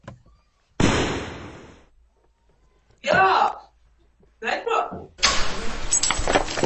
زردالو د خوړو جادويي خوند لري.